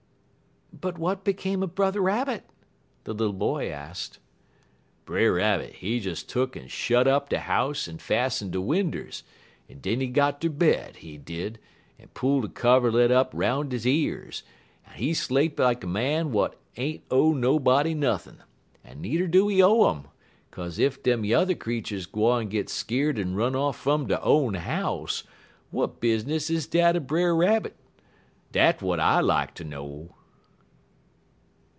"But what became of Brother Rabbit?" the little boy asked. "Brer Rabbit, he des tuck'n shot up de house en fassen de winders, en den he got ter bed, he did, en pull de coverled up 'roun' he years, en he sleep like a man w'at ain't owe nobody nuthin'; en needer do he owe um, kaze ef dem yuther creeturs gwine git skeer'd en run off fum der own house, w'at bizness is dat er Brer Rabbit? Dat w'at I like ter know."